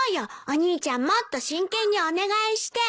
お兄ちゃんもっと真剣にお願いして。